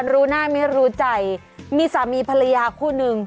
รู้หน้าไม่รู้ใจมีสามีภรรยาคู่นึง